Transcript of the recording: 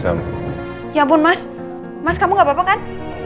ya ampun mas mas kamu gak apa apa kan